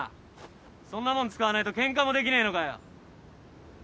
そんなもん使わねえとケンカもできねえのかよ。